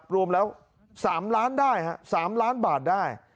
รวมแล้ว๓ล้านบาทได้